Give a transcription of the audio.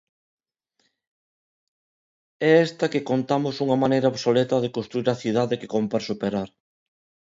É esta que contamos unha maneira obsoleta de construír a cidade que cómpre superar.